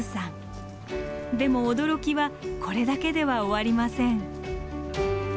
でも驚きはこれだけでは終わりません。